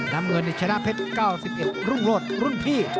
นำเงินในชนะเพชร๙๑รุ่งรวดรุ่นพี่